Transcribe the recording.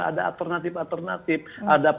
ada alternatif alternatif ada